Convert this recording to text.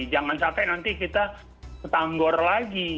jangan sampai nanti kita stanggor lagi